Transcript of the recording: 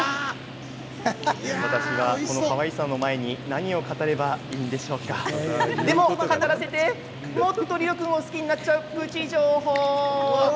私はこのかわいさの前に何を語ればいいんでしょうかでも語らせてもっとリロ君を好きになっちゃうプチ情報。